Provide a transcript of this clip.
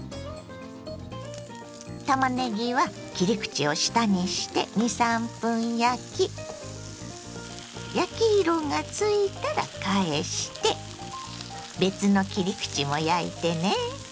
たまねぎは切り口を下にして２３分焼き焼き色がついたら返して別の切り口も焼いてね。